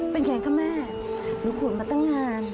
เป็นยังไงค่ะแม่หนูขนมาตั้งงาน